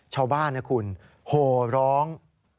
ชาวบ้านนะคุณโหร้อง